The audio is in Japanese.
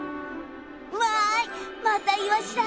わいまたイワシだ。